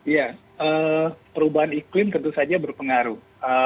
ya perubahan iklim tentu saja berpengaruh